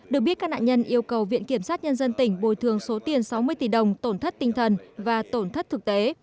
được biết các nạn nhân yêu cầu viện kiểm sát nhân dân tỉnh bồi thường số tiền sáu mươi tỷ đồng tổn thất tinh thần và tổn thất thực tế